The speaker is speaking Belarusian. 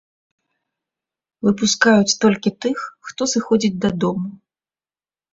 Выпускаюць толькі тых, хто сыходзіць дадому.